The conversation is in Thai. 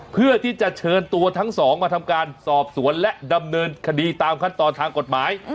เพื่อที่จะเชิญตัวทั้งสองมาทำการสอบสวนและดำเนินคดีตามขั้นตอนทางกฎหมาย